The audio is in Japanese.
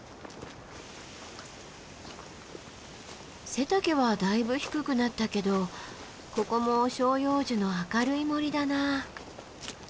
背丈はだいぶ低くなったけどここも照葉樹の明るい森だなあ。